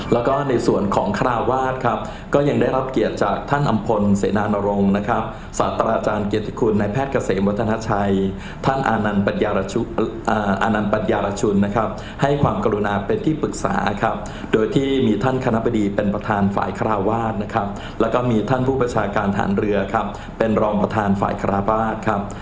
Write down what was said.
แล้วก็ในส่วนของคาราวาสครับก็ยังได้รับเกียรติจากท่านอำพลเสนานรงค์นะครับศาสตราอาจารย์เกียรติคุณนายแพทย์เกษมวัฒนาชัยท่านอานันต์อนันต์ปัญญารชุนนะครับให้ความกรุณาเป็นที่ปรึกษาครับโดยที่มีท่านคณะบดีเป็นประธานฝ่ายคาราวาสนะครับแล้วก็มีท่านผู้ประชาการฐานเรือครับเป็นรองประธานฝ่ายคาราบาสครับ